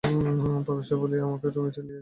পাপিষ্ঠা বলিয়া আমাকে তুমি ঠেলিয়ো না।